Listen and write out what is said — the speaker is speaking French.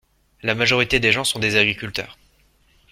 La majorité des gens sont des agriculteurs.